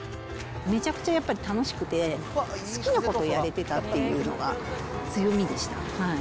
めちゃくちゃやっぱり楽しくて、好きなことをやれてたっていうのが強みでした。